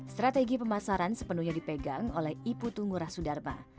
strategi pemasaran sepenuhnya dipegang oleh ipu tunggurah sudarma